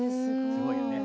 すごいよね。